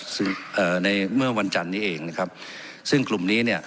คือเอ่อในเมื่อวันจันนี้เองนะครับซึ่งกลุ่มนี้เนี่ย